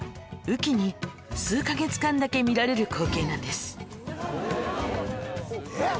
雨期に数カ月間だけ見られる光景なんです